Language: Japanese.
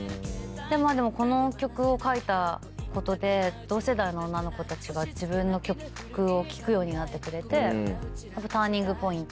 でもこの曲を書いたことで同世代の女の子たちが自分の曲を聞くようになってくれて。